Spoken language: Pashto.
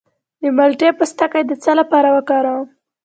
د مالټې پوستکی د څه لپاره وکاروم؟